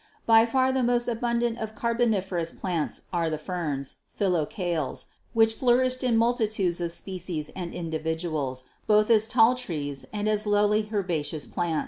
By far the most abundant of Carboniferous plants are the 'Ferns/ Fili cales, which flourished in multitudes of species and indi viduals, both as tall trees and as lowly herbaceous plants.